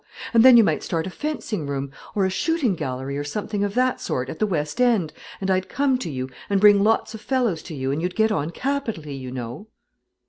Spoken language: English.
And then you might start a fencing room, or a shooting gallery, or something of that sort, at the West End; and I'd come to you, and bring lots of fellows to you, and you'd get on capitally, you know."